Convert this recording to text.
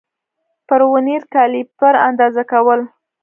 پر ورنیر کالیپر اندازه کول